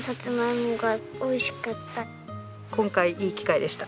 今回いい機会でした。